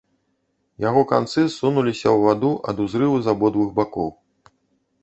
Яго канцы ссунуліся ў ваду ад узрыву з абодвух бакоў.